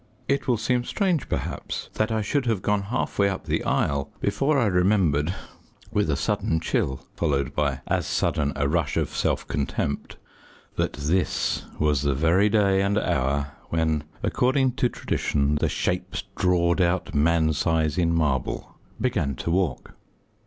It will seem strange, perhaps, that I should have gone half way up the aisle before I remembered with a sudden chill, followed by as sudden a rush of self contempt that this was the very day and hour when, according to tradition, the "shapes drawed out man size in marble" began to walk.